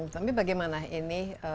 tapi bagaimana ini